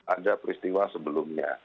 ada peristiwa sebelumnya